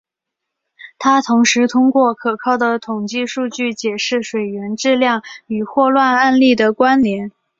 他同时通过可靠的统计数据解释水源质量与霍乱案例的关联。